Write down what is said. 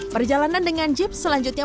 perjalanan dengan jeep selanjutnya